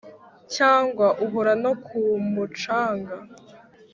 cyangwa uhora no ku mucanga